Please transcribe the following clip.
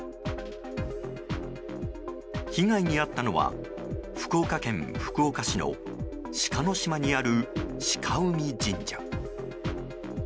被害に遭ったのは福岡県福岡市の志賀島にある志賀海神社。